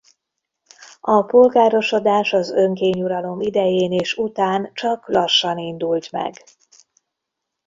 A polgárosodás az önkényuralom idején és után csak lassan indult meg.